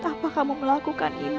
apa yang akan berlaku sekarang